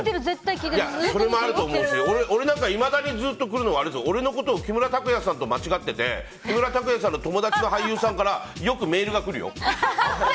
俺なんかいまだにずっと来るのは俺のことを木村拓哉さんと間違ってて、木村拓哉さんの友達の俳優さんからよくメールが来るよ。